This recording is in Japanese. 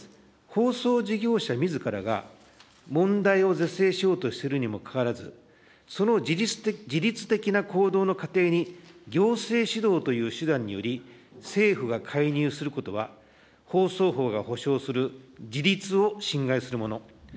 放送事業者みずからが問題を是正しようとしてるにもかかわらず、その自律的な行動の過程に、行政指導という手段により、政府が介入することは、放送法が保障する自律を侵害するもの。